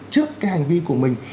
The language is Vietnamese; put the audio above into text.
trước cái hành vi của mình